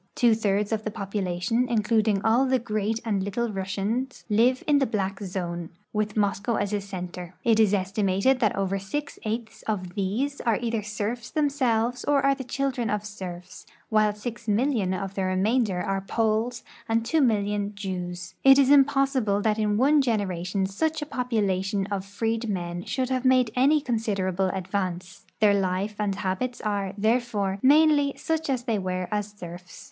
Two thirds of the population, including all the Great and Little Russians, live in the black zone, with Moscow as a center. It is estimated that over six eighths of these are either serfs them selves or are the children of serfs, while 6,000,000 of the re mainder are Poles and 2,000,000 .Jews. It is impossible that in one generation such a population of freedmen should have made any considerable advance. Their life and habits are, therefore, mainly such as they were as serfs.